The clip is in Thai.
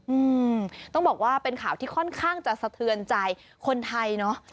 อืมต้องบอกว่าเป็นข่าวที่ค่อนข้างจะสะเทือนใจคนไทยเนอะ